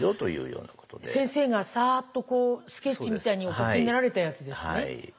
先生がさっとこうスケッチみたいにお描きになられたやつですね。